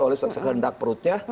oleh sehendak perutnya